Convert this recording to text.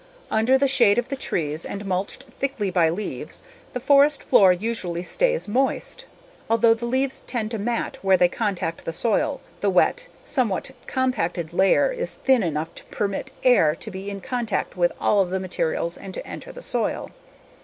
Under the shade of the trees and mulched thickly by leaves, the forest floor usually stays moist. Although the leaves tend to mat where they contact the soil, the wet, somewhat compacted layer is thin enough to permit air to be in contact with all of the materials and to enter the soil.